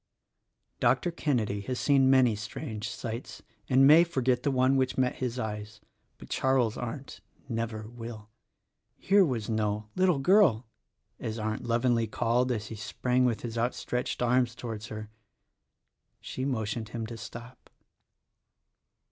Dr. Kenedy has seen many strange sights and may for get the one which met his eyes; but Charles Arndt never will. Here was no "Little Girl" as Arndt lovingly called as he sprang with outstretched arms towards her ! She motioned him to stop.